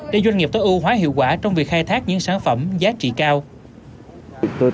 để doanh nghiệp tối ưu hóa hiệu quả trong việc khai thác những sản phẩm giá trị cao